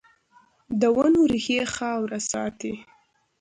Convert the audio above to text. د ونو ریښې خاوره ساتي